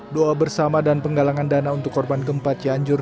doa bersama dan penggalangan dana untuk korban keempat yanjur